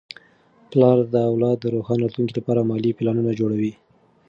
پلار د اولاد د روښانه راتلونکي لپاره مالي پلانونه جوړوي.